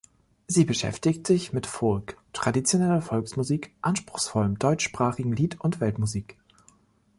Sie beschäftigt sich mit Folk, traditioneller Volksmusik, anspruchsvollem deutschsprachigen Lied und Weltmusik.